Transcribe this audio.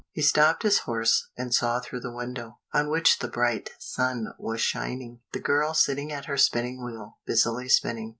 He stopped his horse, and saw through the window, on which the bright sun was shining, the girl sitting at her spinning wheel, busily spinning.